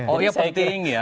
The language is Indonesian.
oh iya penting ya